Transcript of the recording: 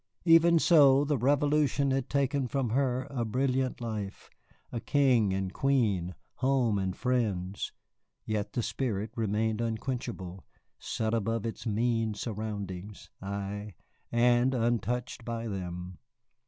Even so the Revolution had taken from her a brilliant life, a king and queen, home and friends. Yet the spirit remained unquenchable, set above its mean surroundings, ay, and untouched by them.